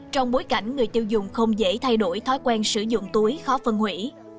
trong bối cảnh người tiêu dùng không dễ thay đổi thói quen sử dụng túi khó phân hủy